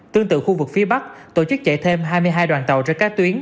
tương tự khu vực phía bắc tổ chức chạy thêm hai mươi hai đoàn tàu trên các tuyến